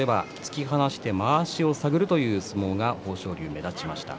霧島との稽古では突き放してまわしを探るという相撲が豊昇龍に目立ちました。